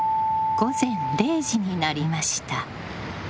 「午前０時の森」になりました。